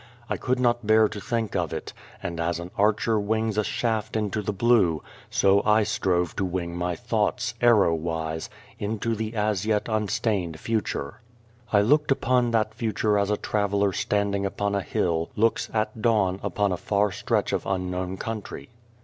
I could not bear to think of it ; and as an archer wings a shaft into the 240 Without a Child blue, so I strove to wing my thoughts, arrow wise, into the as yet unstained future. I looked upon that future as a traveller standing upon a hill looks at dawn upon a far stretch of unknown country.